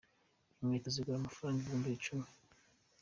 Inkweto zigura amafaranga ibihumbi icumi.